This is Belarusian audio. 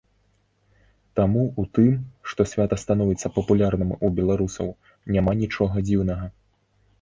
Таму ў тым, што свята становіцца папулярным у беларусаў, няма нічога дзіўнага.